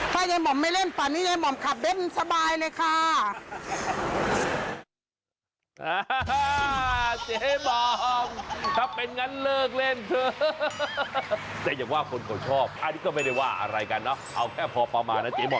ถ้าใหญ่หม่อมไม่เล่นป่านใหญ่หม่อมขับเบ้นสบายเลยค่ะ